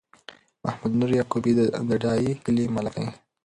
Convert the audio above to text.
محمد نور یعقوبی د ډایی کلی ملک دی